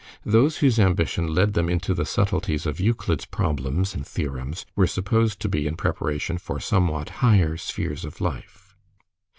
Those whose ambition led them into the subtleties of Euclid's problems and theorems were supposed to be in preparation for somewhat higher spheres of life.